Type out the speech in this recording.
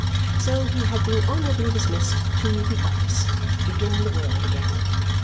So, he had been honourably dismissed to "the office" to begin the world again.